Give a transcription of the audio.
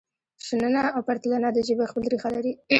شننه او پرتلنه د ژبې خپل ریښه لري.